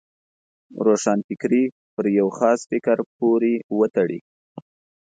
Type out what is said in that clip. روښانفکري پر یو خاص فکر پورې وتړي.